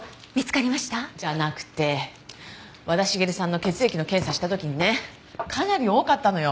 じゃなくて和田茂さんの血液の検査した時にねかなり多かったのよ